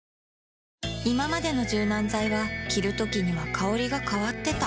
いままでの柔軟剤は着るときには香りが変わってた